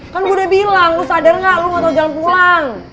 kan gue udah bilang lu sadar gak lu gak tau jalan pulang